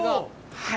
はい。